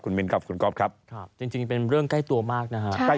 มินครับคุณก๊อฟครับจริงเป็นเรื่องใกล้ตัวมากนะฮะ